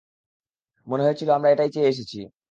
মনে হয়েছিল আমরা এটাই চেয়ে এসেছি।